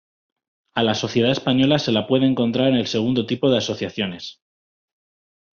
A la Sociedad Española se la puede encontrar en el segundo tipo de asociaciones.